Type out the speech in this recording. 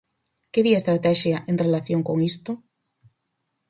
¿Que di a estratexia en relación con isto?